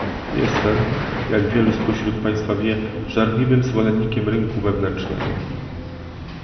Jestem, jak wielu spośród państwa wie, żarliwym zwolennikiem rynku wewnętrznego